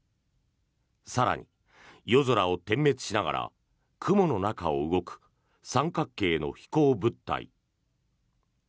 更に、夜空を点滅しながら雲の中を動く三角形の飛行物体。